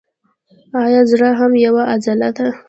ایا زړه هم یوه عضله ده